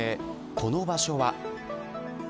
この場所は。